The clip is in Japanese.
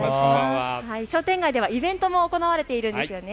商店街ではイベントも行われているんですよね。